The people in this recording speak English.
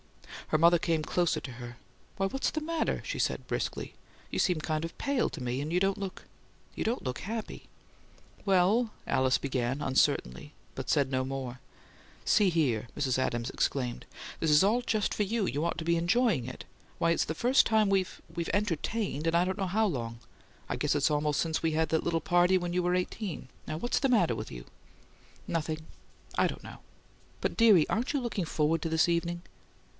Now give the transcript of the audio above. Her mother came closer to her. "Why, what's the matter?" she asked, briskly. "You seem kind of pale, to me; and you don't look you don't look HAPPY." "Well " Alice began, uncertainly, but said no more. "See here!" Mrs. Adams exclaimed. "This is all just for you! You ought to be ENJOYING it. Why, it's the first time we've we've entertained in I don't know how long! I guess it's almost since we had that little party when you were eighteen. What's the matter with you?" "Nothing. I don't know." "But, dearie, aren't you looking FORWARD to this evening?"